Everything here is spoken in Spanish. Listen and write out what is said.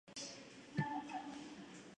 Ahora se dedica a la enseñanza en Cataluña.